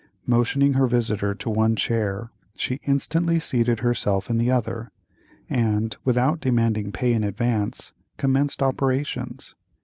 Motioning her visitor to one chair, she instantly seated herself in the other, and, without demanding pay in advance, commenced operations.